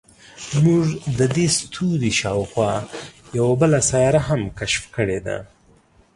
موږ د دې ستوري شاوخوا یوه بله سیاره هم کشف کړې ده.